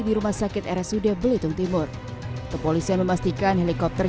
di rumah sakit rsud belitung timur kepolisian memastikan helikopter